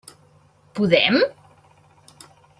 Podem?